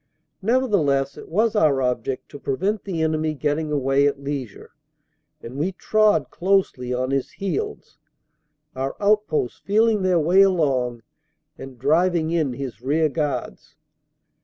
Nevertheless it was our object to prevent the enemy getting away at leisure, and we trod closely on his heels, our outposts feeling their way along and driving in his rear guards.